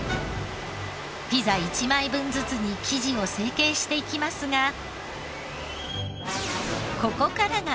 ピザ１枚分ずつに生地を成形していきますが。